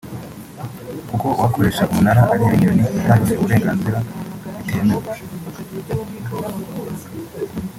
kuko uwakoresha umunara areba inyoni atabiherewe uburenganzira bitemewe